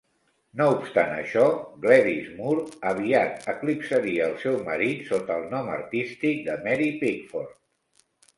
No obstant això, Gladys Moore aviat eclipsaria el seu marit sota el nom artístic de Mary Pickford.